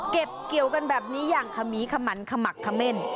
เก็บเกี่ยวกันแบบนี้อย่างขมีขมันขมักเขม่น